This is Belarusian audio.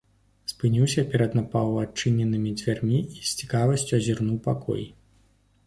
Спыніўся перад напаўадчыненымі дзвярмі і з цікавасцю азірнуў пакой.